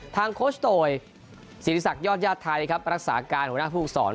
โคชโตยศิริษักยอดญาติไทยครับรักษาการหัวหน้าผู้สอน